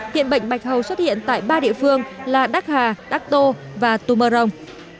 hiện bệnh bạch hầu xuất hiện tại ba địa phương là đắc hà đắc tô và tù mơ rồng